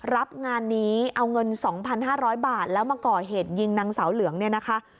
รับงานนี้เอาเงินสองพันห้าร้อยบาทแล้วมาก่อเหตุยิงนางเสาเหลืองเนี่ยนะคะ